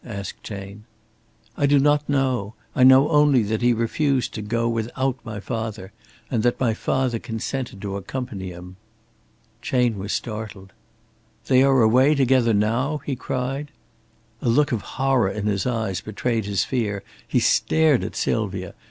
asked Chayne. "I do not know. I know only that he refused to go without my father, and that my father consented to accompany him." Chayne was startled. "They are away together now?" he cried. A look of horror in his eyes betrayed his fear. He stared at Sylvia.